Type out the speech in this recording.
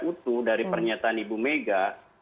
utuh dari pernyataan ibu mega